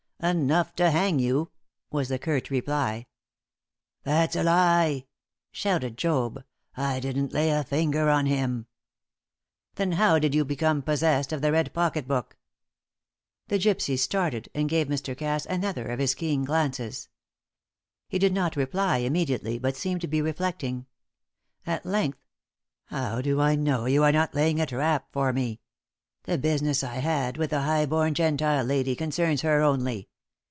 "Enough to hang you," was the curt reply. "That's a lie!" shouted Job. "I didn't lay a finger on him." "Then how did you become possessed of the red pocket book?" The gypsy started, and gave Mr. Cass another of his keen glances. He did not reply immediately, but seemed to be reflecting. At length, "How do I know you are not laying a trap for me? The business I had with the high born Gentile lady concerns her only.